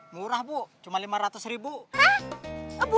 murah bu cuma lima ratus ribu